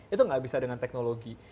itu nggak bisa dengan teknologi